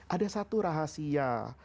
ada satu rahasia